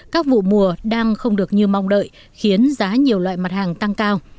các vụ mùa đang không được như mong đợi khiến giá nhiều loại mặt hàng tăng cao